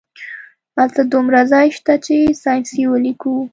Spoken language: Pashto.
هلته دومره ځای شته چې ساینسي ولیکو